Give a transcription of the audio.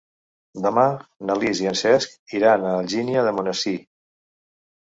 Demà na Lis i en Cesc iran a Algímia d'Almonesir.